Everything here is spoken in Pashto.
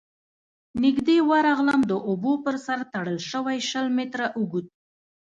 ، نږدې ورغلم، د اوبو پر سر تړل شوی شل متره اوږد،